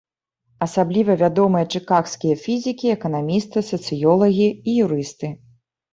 Асабліва вядомыя чыкагскія фізікі, эканамісты, сацыёлагі і юрысты.